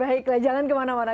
baiklah jangan kemana mana